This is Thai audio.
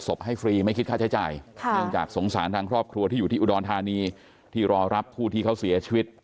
ให้ฟรีไม่คิดค่าใช้จ่ายเนื่องจากสงสารทางครอบครัวที่อยู่ที่อุดรธานีที่รอรับผู้ที่เขาเสียชีวิต